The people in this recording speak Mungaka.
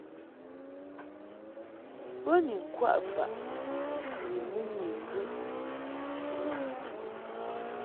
Bo ni ŋkwaʼ faʼ ni mɨnyi ŋgɨ.